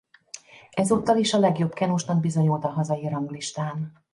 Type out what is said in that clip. Ezúttal is a legjobb kenusnak bizonyult a hazai ranglistán.